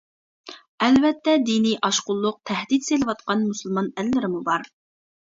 ئەلۋەتتە دىنىي ئاشقۇنلۇق تەھدىت سېلىۋاتقان مۇسۇلمان ئەللىرىمۇ بار.